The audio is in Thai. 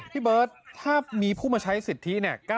พี่เบิร์ตถ้ามีผู้มาใช้สิทธิเนี่ย